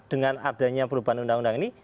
dengan adanya perubahan undang undang ini